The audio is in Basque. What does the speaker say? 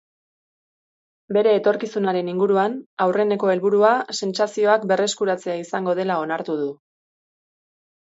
Bere etorkizunaren inguruan, aurreneko helburua sentsazioak berreskuratzea izango dela onartu du.